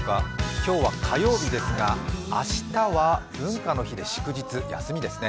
今日は火曜日ですが明日は文化の日で祝日休みですね。